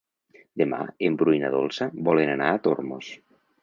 Demà en Bru i na Dolça volen anar a Tormos.